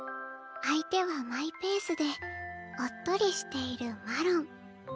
相手はマイペースでおっとりしているマロン。